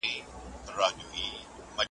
قتلګاه دپرنګيانو .